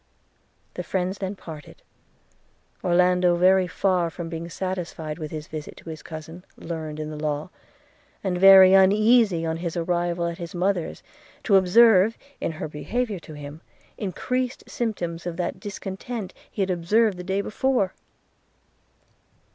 The friends then parted; Orlando very far from being satisfied with his visit to his cousin learned in the law – and very uneasy, on his arrival at his mother's, to observe, in her behaviour to him, increased symptoms of that discontent he had observed the day before.